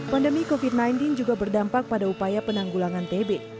pandemi covid sembilan belas juga berdampak pada upaya penanggulangan tb